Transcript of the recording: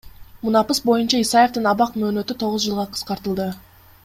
Мунапыс боюнча Исаевдин абак мөөнөтү тогуз жылга кыскартылды.